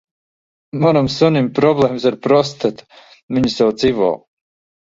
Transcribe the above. Manam sunim problēmas ar prostatu, viņu sauc Ivo.